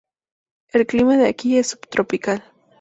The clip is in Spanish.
El clima de aquí es subtropical.